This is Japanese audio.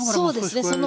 そうですね。